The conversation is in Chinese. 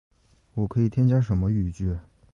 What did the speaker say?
我可以添加什么语句？